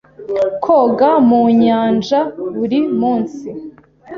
Koga mu nyanja buri munsi.